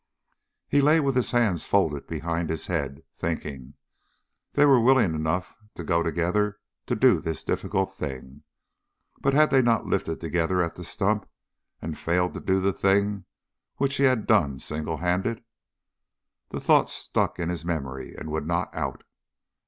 He lay with his hands folded behind his head, thinking. They were willing enough to go together to do this difficult thing. But had they not lifted together at the stump and failed to do the thing which he had done single handed? That thought stuck in his memory and would not out.